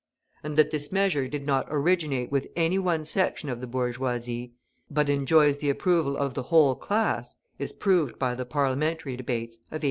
And that this measure did not originate with any one section of the bourgeoisie, but enjoys the approval of the whole class, is proved by the Parliamentary debates of 1844.